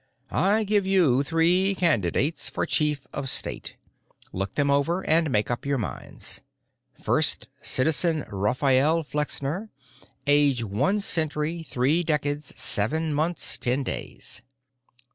I give you three candidates for Chief of State—look them over, and make up your minds. First, Citizen Raphael Flexner, age one century, three decades, seven months, ten days."